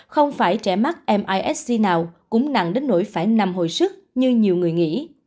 không phải trẻ mắt misc nào cũng nặng đến nỗi phải nằm hồi sức như nhiều người nghĩ